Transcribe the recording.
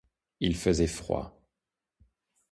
Il faisait froid.